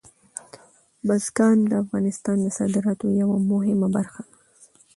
بزګان د افغانستان د صادراتو یوه مهمه برخه ده.